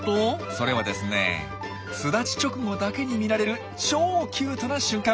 それはですね巣立ち直後だけに見られる超キュートな瞬間。